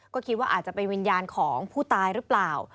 ก็คิดว่าอาจจะเป็นวิญญาณของผู้ตายหรือเปล่า